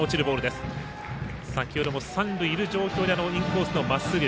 先ほども三塁にいる状況でインコースのまっすぐ。